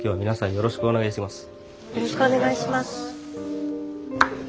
よろしくお願いします。